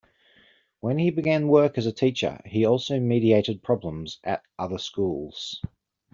When he began work as a teacher, he also mediated problems at other schools.